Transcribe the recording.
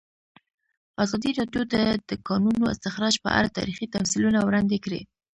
ازادي راډیو د د کانونو استخراج په اړه تاریخي تمثیلونه وړاندې کړي.